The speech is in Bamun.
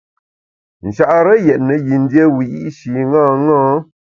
Nchare yètne yin dié wiyi’shi ṅaṅâ.